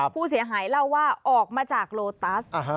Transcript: ผู้เสียหายเล่าว่าออกมาจากโลตัส